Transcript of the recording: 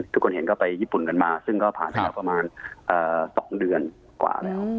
ทุกคนเห็นก็ไปญี่ปุ่นกันมาซึ่งก็ผ่านไปแล้วประมาณ๒เดือนกว่าแล้ว